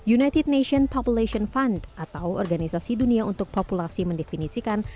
united nations population fund atau organisasi dunia untuk populasi mendefinisikan